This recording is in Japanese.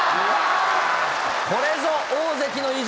これぞ大関の意地。